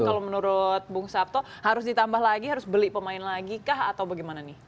kalau menurut bung sabto harus ditambah lagi harus beli pemain lagi kah atau bagaimana nih